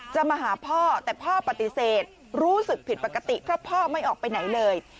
มาหาพ่อแต่พ่อปฏิเสธรู้สึกผิดปกติเพราะพ่อไม่ออกไปไหนเลย